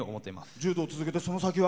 柔道、続けてその先は？